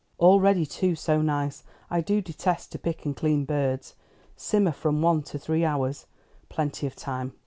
All ready too; so nice! I do detest to pick and clean birds. 'Simmer from one to three hours.' Plenty of time.